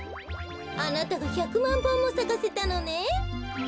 あなたが１００まんぼんもさかせたのねん。